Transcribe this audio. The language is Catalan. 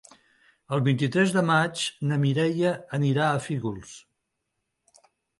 El vint-i-tres de maig na Mireia anirà a Fígols.